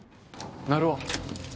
成尾。